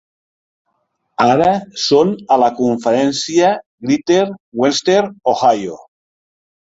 Ara són a la conferència Greater Western Ohio.